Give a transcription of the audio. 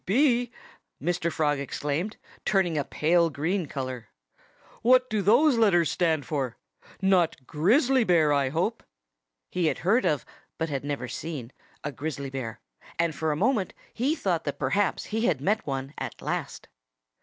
"'G. B.'!" Mr. Frog exclaimed, turning a pale green color. "What do those letters stand for? Not Grizzly Bear, I hope!" He had heard of but had never seen a Grizzly Bear; and for a moment he thought that perhaps he had met one at last.